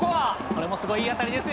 これもすごいいい当たりです